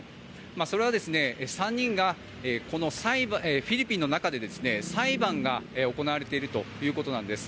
それは３人がフィリピンの中で裁判が行われているということなんです。